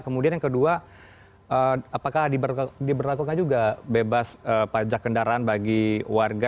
kemudian yang kedua apakah diberlakukan juga bebas pajak kendaraan bagi warga